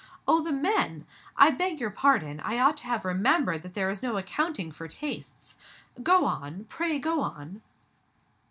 Oh, the men! I beg your pardon I ought to have remembered that there is no accounting for tastes. Go on pray go on!"